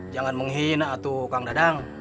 jangan menghina tuh kang dadang